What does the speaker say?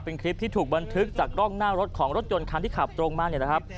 เป็นคลิปที่ถูกบันทึกจากร่องหน้ารถของรถยนต์คันที่ขับตรงมา